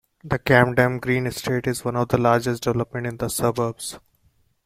The Camden Green Estate is one of the largest developments in the suburb.